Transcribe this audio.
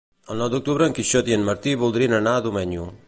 El nou d'octubre en Quixot i en Martí voldrien anar a Domenyo.